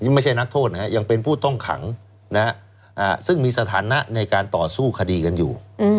ไม่ใช่นักโทษนะครับยังเป็นผู้ต้องขังซึ่งมีสถานะในการต่อสู้คดีกันอยู่